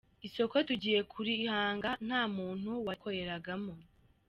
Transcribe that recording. Isoko tugiye kurihanga nta muntu warikoreragamo.